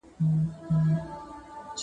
نر مي بولې، چي کال ته تر سږ کال بې غيرته يم.